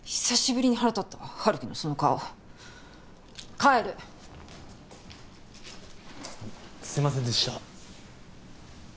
久しぶりに腹立ったわ春樹のその顔帰るすいませんでした